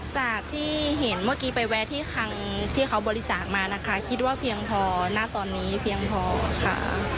จากที่เห็นเมื่อกี้ไปแวะที่คังที่เขาบริจาคมานะคะคิดว่าเพียงพอณตอนนี้เพียงพอค่ะ